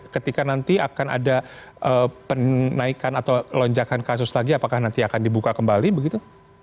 ketika nanti akan ada penaikan atau lonjakan kasus lagi apakah nanti akan dibuka kembali begitu